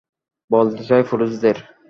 বলতে চাই, পুরুষদের।